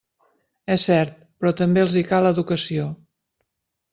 És cert, però també els hi cal educació.